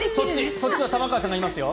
そっちは玉川さんがいますよ！